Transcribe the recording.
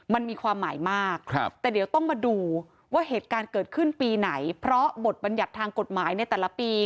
มันมีความหมายมากแต่เดี๋ยวต้องมาดูว่าเหตุการณ์เกิดขึ้นปีไหนเพราะบทบัญญัติทางกฎหมายในแต่ละปี